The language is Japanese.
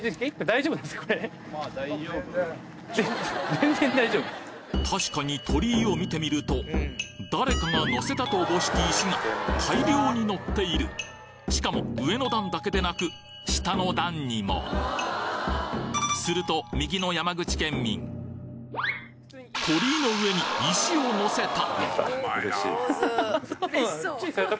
先程の確かに鳥居を見てみると誰かがのせたと思しき石が大量にのっているしかも上の段だけでなく下の段にもすると右の山口県民鳥居の上に石をのせた！